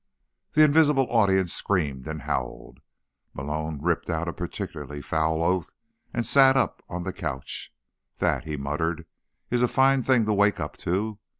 The invisible audience screamed and howled. Malone ripped out a particularly foul oath and sat up on the couch. "That," he muttered, "is a fine thing to wake up to."